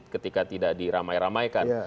ketika tidak diramai ramaikan